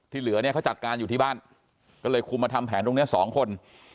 เหลือเนี่ยเขาจัดการอยู่ที่บ้านก็เลยคุมมาทำแผนตรงนี้สองคน